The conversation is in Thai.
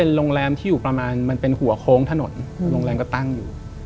โรงแรมที่อยู่ประมาณมันเป็นหัวโค้งถนนโรงแรมก็ตั้งอยู่